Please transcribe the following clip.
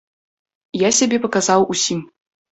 Я сябе паказаў усім.